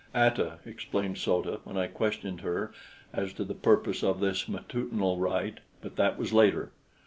"Ata," explained So ta, when I questioned her as to the purpose of this matutinal rite; but that was later.